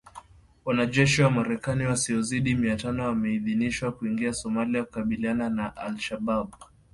Wanajeshi wa Marekani wasiozidi mia tano wameidhinishwa kuingia Somalia kukabiliana na Al Shabaab.